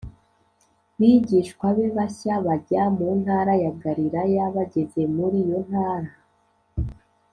bigishwa be bashya bajya mu ntara ya Galilaya Bageze muri iyo ntara